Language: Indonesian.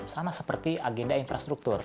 sama seperti agenda infrastruktur